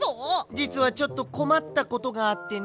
じつはちょっとこまったことがあってね。